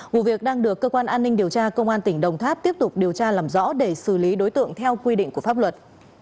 vụ việc đang được cơ quan an ninh điều tra công an tỉnh đồng tháp tiếp tục điều tra làm rõ để xử lý đối tượng theo quy định của pháp luật